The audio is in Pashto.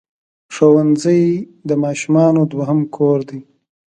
ښوونځی د ماشومانو دوهم کور دی.